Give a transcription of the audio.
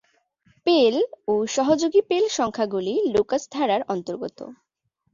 পেল ও সহযোগী পেল সংখ্যাগুলি লুকাস ধারার অন্তর্গত।